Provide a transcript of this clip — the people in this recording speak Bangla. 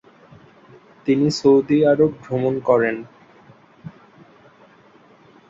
তিনি সৌদি আরব ভ্রমণ করেন।